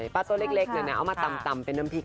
ปลาตัวเล็กนั้นเอามาตำเป็นน้ำพริก